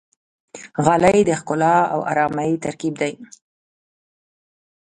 غالۍ د ښکلا او آرامۍ ترکیب دی.